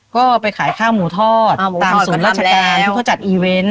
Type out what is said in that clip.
ก็ไปขายข้าวหมูทอดตามศูนย์ราชการที่เขาจัดอีเวนต์